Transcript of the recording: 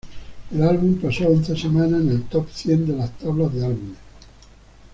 El álbum pasó once semanas en el top cien de la tabla de Álbumes.